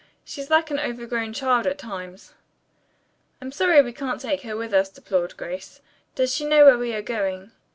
She's like an overgrown child at times." "I'm sorry we can't take her with us," deplored Grace. "Does she know where we are going?"